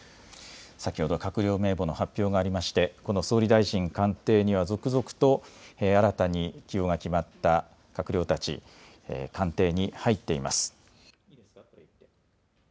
先ほど閣僚名簿の発表がありまして総理大臣官邸には続々と新たに起用が決まった閣僚たち、官邸に入っています。